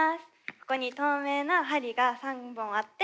ここに透明な針が３本あって。